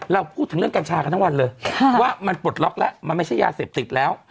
เราพูดถึงเรื่องกัญชากันทั้งวันเลยว่ามันปลดล็อกแล้วมันไม่ใช่ยาเสพติดแล้ว